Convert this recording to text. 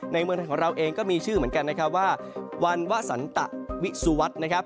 เมืองไทยของเราเองก็มีชื่อเหมือนกันนะครับว่าวันวสันตะวิสุวัสดิ์นะครับ